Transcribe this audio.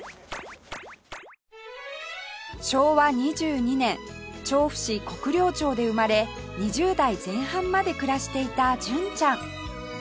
昭和２２年調布市国領町で生まれ２０代前半まで暮らしていた純ちゃん